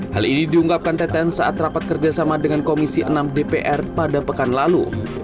hal ini diungkapkan teten saat rapat kerjasama dengan komisi enam dpr pada pekan lalu